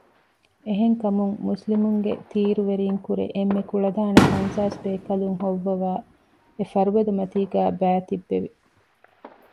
އެހެންކަމުން މުސްލިމުންގެ ތީރުވެރީންކުރެ އެންމެ ކުޅަދާނަ ފަންސާސް ބޭކަލުން ހޮއްވަވައި އެފަރުބަދަމަތީގައި ބައިތިއްބެވި